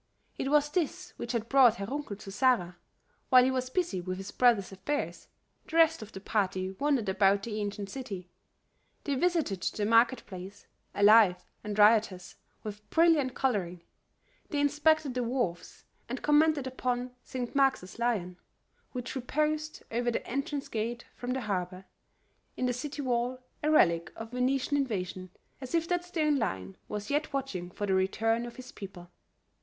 It was this which had brought Herr Runkel to Zara. While he was busy with his brother's affairs, the rest of the party wandered about the ancient city; they visited the market place, alive and riotous with brilliant coloring; they inspected the wharves, and commented upon St. Mark's Lion, which reposed over the entrance gate from the harbor, in the city wall, a relic of Venetian invasion, as if that stone lion was yet watching for the return of his people.